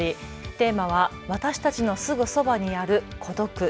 テーマは私たちのすぐそばにある孤独。